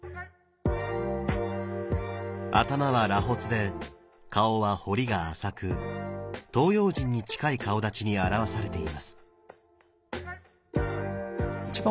頭は螺髪で顔は彫りが浅く東洋人に近い顔だちに表されています。